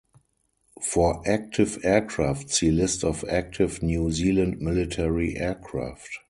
For active aircraft see List of active New Zealand military aircraft.